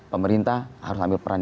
pemerintah harus ambil peran